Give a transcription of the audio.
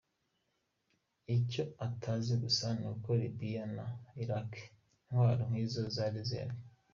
Icyo atazi gusa ni uko Libiya na Iraki intwaro nk’izo zari zihari.